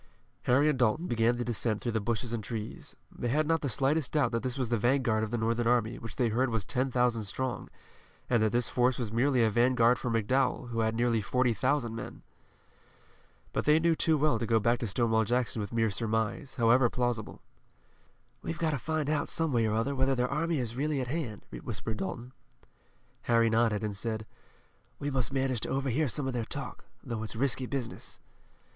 Harry and Dalton began the descent through the bushes and trees. They had not the slightest doubt that this was the vanguard of the Northern army which they heard was ten thousand strong, and that this force was merely a vanguard for McDowell, who had nearly forty thousand men. But they knew too well to go back to Stonewall Jackson with mere surmise, however plausible. "We've got to find out some way or other whether their army is certainly at hand," whispered Dalton. Harry nodded, and said: "We must manage to overhear some of their talk, though it's risky business."